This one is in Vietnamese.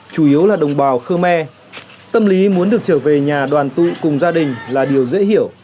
chủ yếu là đồng bào khơ me tâm lý muốn được trở về nhà đoàn tụ cùng gia đình là điều dễ hiểu